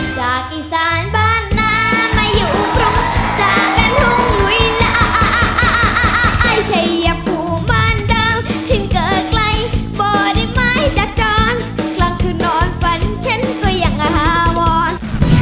จากอีสานบ้านหน้ามาอยู่พรุ่งจากกันทุ่มวิลาใช่อย่างผู้บ้านเดิมที่เกิดไกลบ่อดินไม้จัดจรครั้งคืนนอนฝันฉันก็ยังหลาวร